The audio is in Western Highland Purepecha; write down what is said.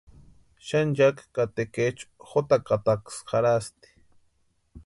Xanchaki ka tekechu jotakataksï jarhasti.